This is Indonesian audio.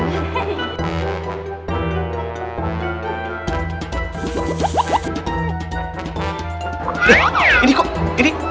masya allah cantik banget